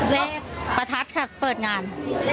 เลขประทัดค่ะเปิดงาน